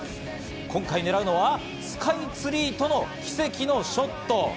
今回、狙うのはスカイツリーとの奇跡のショット。